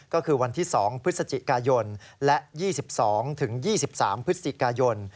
ก็คือวันที่๒พฤศจิกายนและ๒๒๒๓พฤศจิกายน